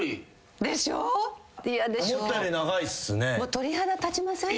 鳥肌立ちません？